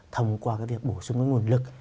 thông qua cái việc bổ sung các nguồn lực